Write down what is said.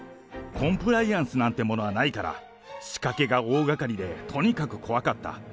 コンプライアンスなんてものはないから、仕掛けが大がかりで、とにかく怖かった。